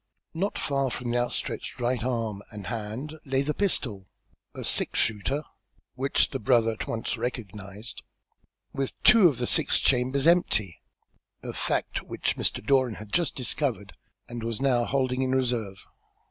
Not far from the outstretched right arm and hand lay the pistol, a six shooter, which the brother at once recognised, with two of the six chambers empty, a fact which Mr. Doran had just discovered, and was now holding in reserve.